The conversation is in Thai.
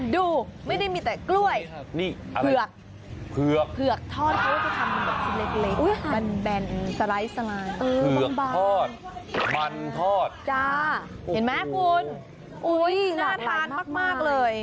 ดูไม่ได้มีแต่กล้วย